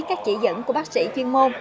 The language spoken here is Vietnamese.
các chỉ dẫn của bác sĩ chuyên môn